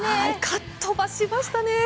かっ飛ばしましたね！